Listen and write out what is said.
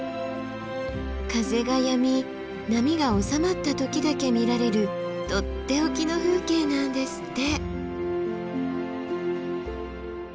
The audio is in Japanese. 風がやみ波が収まった時だけ見られるとっておきの風景なんですって。